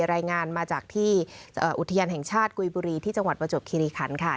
รายงานมาจากที่อุทยานแห่งชาติกุยบุรีที่จังหวัดประจวบคิริขันค่ะ